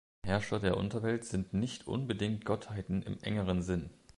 Herrscher der Unterwelt sind nicht unbedingt Gottheiten im engeren Sinn.